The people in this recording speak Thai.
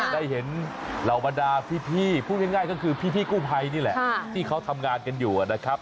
ได้เห็นเหล่าบรรดาพี่พูดง่ายก็คือพี่กู้ภัยนี่แหละที่เขาทำงานกันอยู่นะครับ